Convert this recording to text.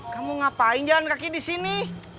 kamu ngapain jalan kaki disini